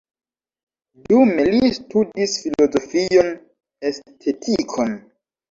Dume li studis filozofion, estetikon.